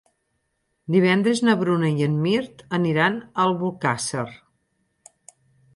Divendres na Bruna i en Mirt aniran a Albocàsser.